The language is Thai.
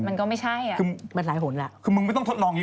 อย่าไปคิดอะไรอย่างงี้